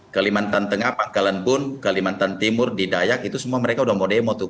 kalimantan tengah pangkalan bun kalimantan timur di dayak itu semua mereka udah mau demo tuh